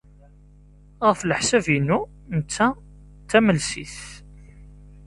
Ɣef leḥsab-inu, netta d tamelsit.